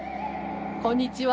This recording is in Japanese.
こんにちは。